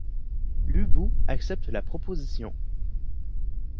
Lü Bu accepte la proposition.